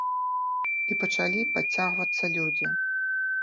І пачалі падцягвацца людзі.